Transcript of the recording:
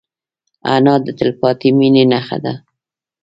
انا د تلپاتې مینې نښه ده